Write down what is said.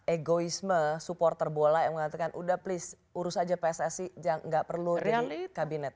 egoisme supporter bola yang mengatakan udah please urus aja pssi nggak perlu di kabinet